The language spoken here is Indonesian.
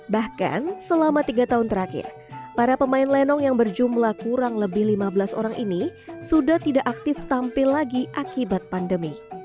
bahkan selama tiga tahun terakhir para pemain lenong yang berjumlah kurang lebih lima belas orang ini sudah tidak aktif tampil lagi akibat pandemi